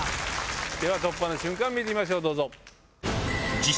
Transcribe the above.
では突破の瞬間見てみましょうどうぞ。